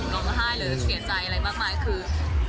หรือแบบที่เรากลับไปชัยคุมตัวง่าย